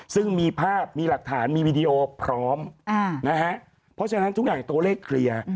ซึ่งมีภาพมีหลักฐานมีวีดีโอพร้อมนะฮะเพราะฉะนั้นทุกอย่างตัวเลขเคลียร์